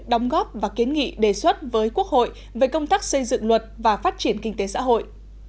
đóng góp và kiến nghị đề xuất với quốc hội về công tác xây dựng luật và phát triển kinh tế xã hội